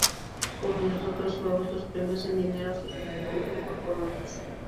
Como en los otros juegos, los premios en dinero se sustituyeron por coronas.